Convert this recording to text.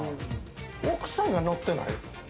奥さんがのってない？